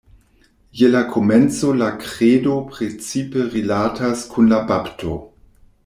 Je la komenco la Kredo precipe rilatas kun la bapto.